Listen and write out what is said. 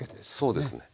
そうですね。